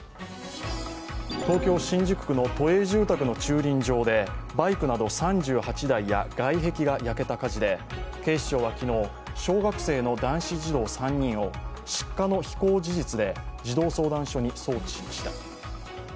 東京・新宿区の都営住宅の駐輪場でバイクなど３８台や外壁が焼けた火事で警視庁は昨日、小学生の男子児童３人を失火の非行事実で児童相談所に送致しました。